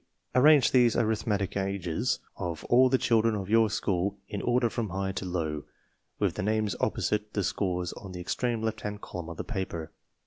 Arrange these Arithmetic Ages of all the children of your school in order from high to low, with the names opposite the scores on the extreme left hand column of the paper.